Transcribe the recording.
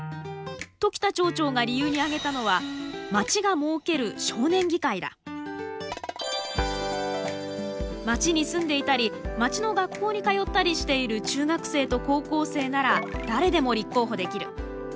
時田町長が理由に挙げたのは町が設ける町に住んでいたり町の学校に通ったりしている中学生と高校生なら誰でも立候補できる。